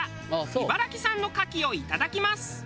茨城産の牡蠣をいただきます。